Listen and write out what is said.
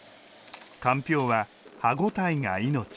かんぴょうは歯応えが命。